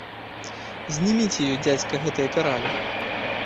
Знімеце ёй, дзядзька, гэтыя каралі.